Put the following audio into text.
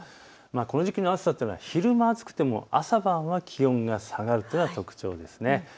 この時期の暑さというのは昼間暑くても朝晩は気温が下がるというのが特徴です。